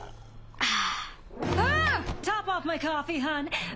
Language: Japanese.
ああ。